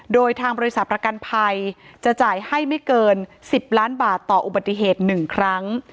โดยทางบริษัทประกันภัยจะจ่ายให้ไม่เกิน๑๐ล้านบาทต่ออุบัติเหตุ๑ครั้ง